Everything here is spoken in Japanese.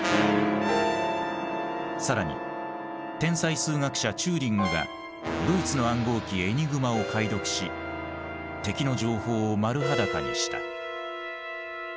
更に天才数学者チューリングがドイツの暗号機エニグマを解読し敵の情報を丸裸にした。